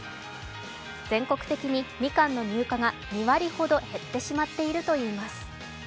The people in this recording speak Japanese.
全国的にみかんの入荷が２割ほど減っているといいます。